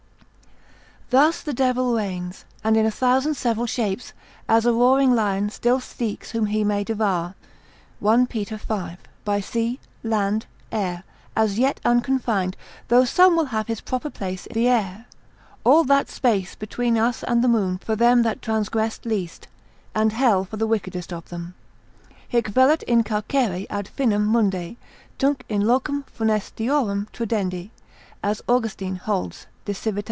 ] Thus the devil reigns, and in a thousand several shapes, as a roaring lion still seeks whom he may devour, 1 Pet. v., by sea, land, air, as yet unconfined, though some will have his proper place the air; all that space between us and the moon for them that transgressed least, and hell for the wickedest of them, Hic velut in carcere ad finem mundi, tunc in locum funestiorum trudendi, as Austin holds de Civit.